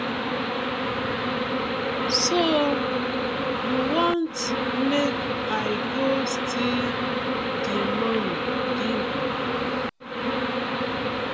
So you want mek I go still di money giv you?